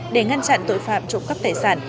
để ngăn chặn tội phạm trộm cấp tài sản